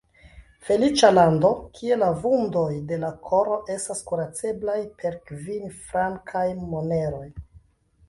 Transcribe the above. Feliĉa lando, kie la vundoj de la koro estas kuraceblaj per kvin-frankaj moneroj!